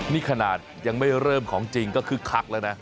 นี่ขนาดยังไม่เริ่มของจริงก็คึกคักแล้วนะ